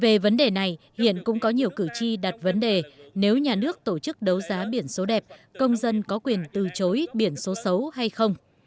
về vấn đề này hiện cũng có nhiều cử tri đặt vấn đề nếu nhà nước tổ chức đấu giá biển số đẹp công dân có quyền từ chối biển số xấu hay không